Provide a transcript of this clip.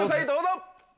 どうぞ！